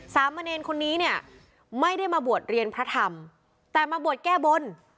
สามเณรคนนี้เนี่ยไม่ได้มาบวชเรียนพระธรรมแต่มาบวชแก้บน